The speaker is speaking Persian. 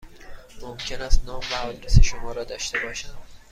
ممکن است نام و آدرس شما را داشته باشم؟